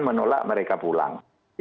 menolak mereka pulang